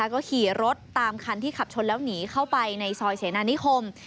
ก็ขี่รถตามคันที่ขับชนแล้วหนีเข้าไปในซอยเสนานิคม